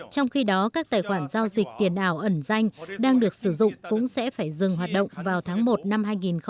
trong khi đó các tài khoản giao dịch tiền ảo ẩn danh đang được sử dụng cũng sẽ phải dừng hoạt động vào tháng một năm hai nghìn hai mươi